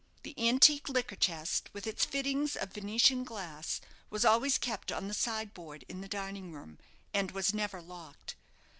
The antique liquor chest, with its fittings of Venetian glass was always kept on the side board in the dining room, and was never locked.